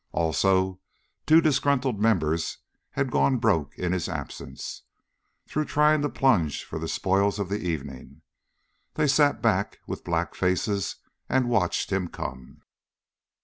Also, two disgruntled members had gone broke in his absence, through trying to plunge for the spoils of the evening. They sat back, with black faces, and watched him come.